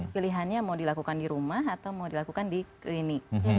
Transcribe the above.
pilihannya mau dilakukan di rumah atau mau dilakukan di klinik